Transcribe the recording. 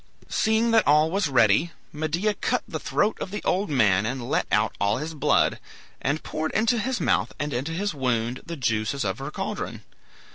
Seeing that all was ready, Medea cut the throat of the old man and let out all his blood, and poured into his mouth and into his wound the juices of her caldron.